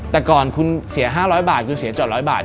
แต่ก่อนคุณเสีย๕๐๐บาทคุณเสียจอด๑๐๐บาท